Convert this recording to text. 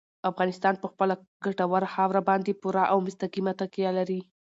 افغانستان په خپله ګټوره خاوره باندې پوره او مستقیمه تکیه لري.